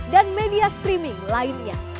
dan media streaming lainnya